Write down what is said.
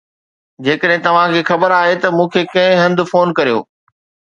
جيڪڏهن توهان کي خبر آهي ته مون کي ڪنهن هنڌ فون ڪريو